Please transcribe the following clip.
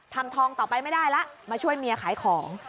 ทำทองต่อไปไม่ได้แล้วมาช่วยเมียขายของ